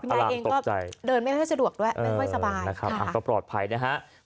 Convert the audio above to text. คุณยายเองก็เดินไม่ค่อยสะดวกด้วยไม่ค่อยสบายค่ะพลังตกใจ